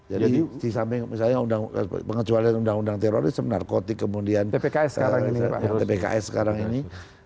jadi misalnya pengejualan undang undang terorisme narkotik kemudian tpks sekarang ini